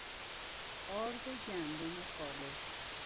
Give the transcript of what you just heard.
آرد گندم خالص